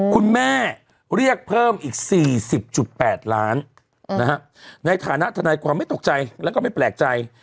คุณแม่เรียกเพิ่มอีก๔๐๘ล้านในฐานะทนายความไม่ตกใจแล้วก็ไม่แปลกใจ